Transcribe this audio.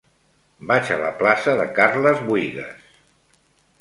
Vaig a la plaça de Carles Buïgas.